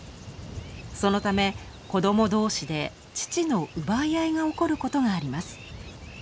そのため子供同士で乳の奪い合いが起こることがあります。